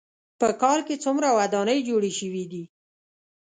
په کال کې څومره ودانۍ جوړې شوې دي.